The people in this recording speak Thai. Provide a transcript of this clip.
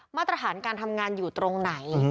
มาตรฐานการทำงานอยู่ตรงไหน